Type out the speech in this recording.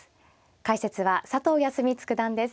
解説は佐藤康光九段です。